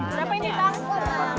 kenapa ini bang